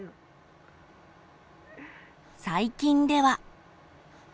最近では。